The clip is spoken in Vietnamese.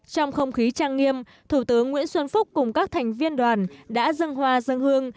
trong không khí trang nghiêm thủ tướng nguyễn xuân phúc cùng các thành viên đoàn đã dân hoa dân hương